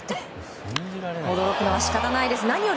驚くのも仕方ないです。